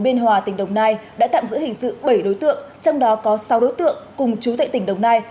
biên hòa tỉnh đồng nai đã tạm giữ hình sự bảy đối tượng trong đó có sáu đối tượng cùng chú tệ tỉnh đồng nai